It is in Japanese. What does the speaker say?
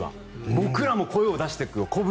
僕らも声を出していくよって。